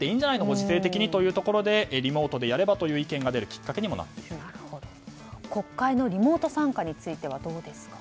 ご時世的にというところでリモートでやればという意見が国会のリモート参加についてはどうですか？